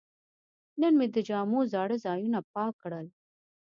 نن مې د جامو زاړه ځایونه پاک کړل.